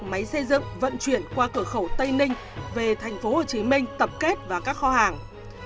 máy xây dựng vận chuyển qua cửa khẩu tây ninh về tp hcm tập kết vào các kho hàng